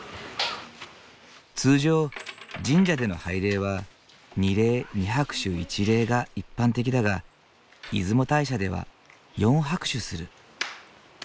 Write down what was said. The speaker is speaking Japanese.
通常神社での拝礼は二礼二拍手一礼が一般的だが出雲大社では四拍手する。